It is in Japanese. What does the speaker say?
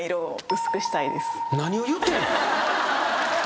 何を言うてんの？